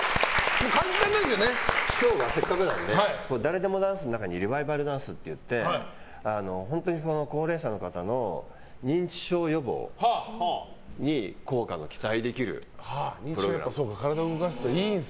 今日はせっかくなのでダレデモダンスの中にリバイバルダンスって言って本当に高齢者の方の認知症予防に効果の期待できるプログラム。